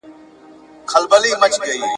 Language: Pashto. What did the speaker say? انګرېزان پوهېدلي نه دي.